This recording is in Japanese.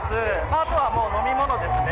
あとは飲み物ですね。